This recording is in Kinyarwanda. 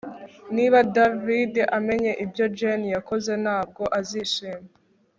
Niba David amenye ibyo Jane yakoze ntabwo azishima